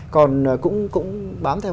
còn cũng bám theo